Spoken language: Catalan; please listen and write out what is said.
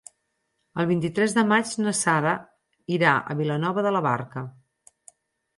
El vint-i-tres de maig na Sara irà a Vilanova de la Barca.